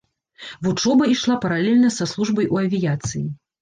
Вучоба ішла паралельна са службай у авіяцыі.